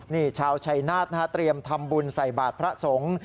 นี่ชาวชัยนาฏนะฮะเตรียมทำบุญใส่บาทพระสงฆ์